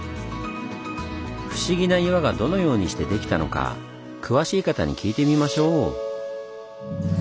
不思議な岩がどのようにしてできたのか詳しい方に聞いてみましょう。